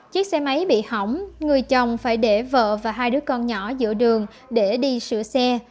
chiếc xe máy bị hỏng người chồng phải để vợ và hai đứa con nhỏ giữa đường để đi sửa xe